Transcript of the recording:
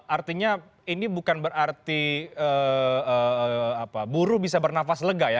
artinya ini bukan berarti buruh bisa bernafas lega ya